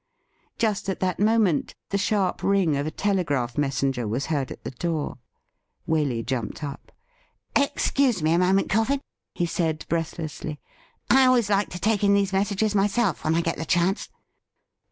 '' Just at that moment the sharp ring of a telegraph mes senger was heard at the door. Waley jumped up. ' Excuse me a moment. Coffin,' he said breathlessly. ' I always like to take in these messages myself when I get the chance.'